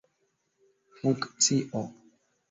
funkcio